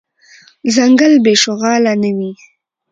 ځنګل بی شغاله نه وي .